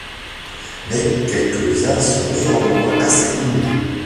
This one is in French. Mais quelques-uns sont néanmoins assez connus.